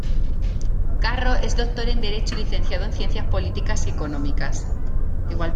Carro es doctor en Derecho y licenciado en Ciencias Políticas y Económicas.